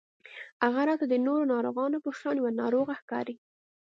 هغه راته د نورو ناروغانو په شان يوه ناروغه ښکاري